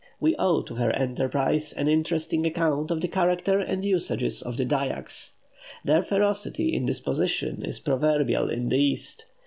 We owe to her enterprise an interesting account of the character and usages of the Dyaks. Their ferocity of disposition is proverbial in the East.